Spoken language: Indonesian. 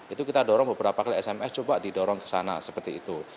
itu kita dorong beberapa kali sms coba didorong ke sana seperti itu